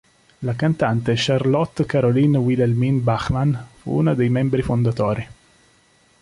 La cantante Charlotte Caroline Wilhelmine Bachmann fu una dei membri fondatori.